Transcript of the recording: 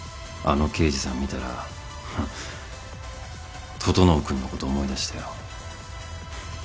あの刑事さん見たら整君のこと思い出したよ。